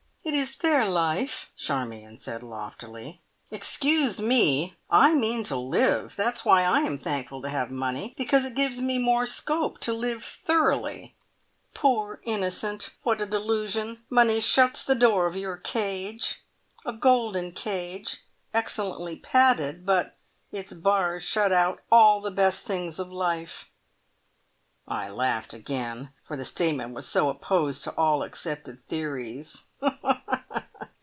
"It is their life," Charmion said loftily. "Excuse me I mean to live! That's why I am thankful to have money, because it gives me more scope to live thoroughly." "Poor innocent! What a delusion. Money shuts the door of your cage. A golden cage, excellently padded, but its bars shut out all the best things of life!" I laughed again, for the statement was so opposed to all accepted theories.